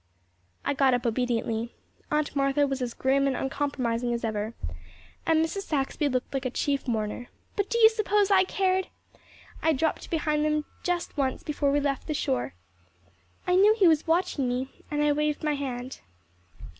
I got up obediently. Aunt Martha was as grim and uncompromising as ever, and Mrs. Saxby looked like a chief mourner, but do you suppose I cared? I dropped behind them just once before we left the shore. I knew he was watching me and I waved my hand.